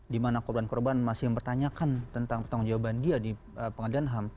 di mana korban korban masih mempertanyakan tentang pertanggung jawaban dia di pengadilan ham